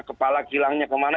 kepala kilangnya kemana